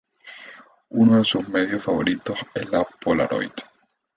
Uno de sus medios favoritos es la Polaroid.